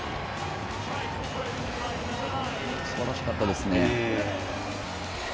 すばらしかったですね。